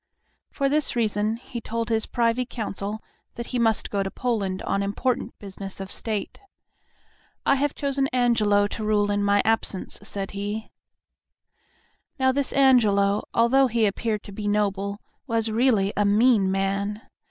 For this reason he told his Privy Council that he must go to Poland on important business of state. "I have chosen Angelo to rule in my absence," said he. Now this Angelo, although he appeared to be noble, was really a mean man.